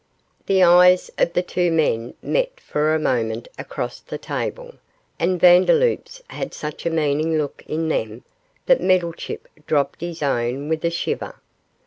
The eyes of the two men met for a moment across the table, and Vandeloup's had such a meaning look in them, that Meddlechip dropped his own with a shiver.